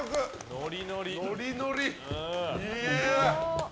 ノリノリ。